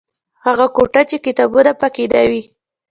هغه کوټه چې کتابونه پکې نه وي.